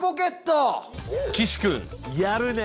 岸君やるね！